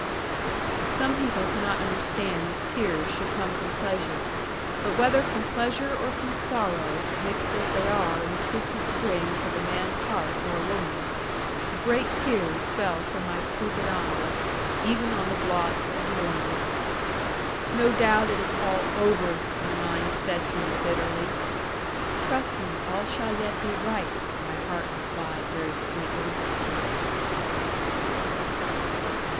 Some people cannot understand that tears should come from pleasure; but whether from pleasure or from sorrow (mixed as they are in the twisted strings of a man's heart, or a woman's), great tears fell from my stupid eyes, even on the blots of Lorna's. 'No doubt it is all over,' my mind said to me bitterly; 'trust me, all shall yet be right,' my heart replied very sweetly.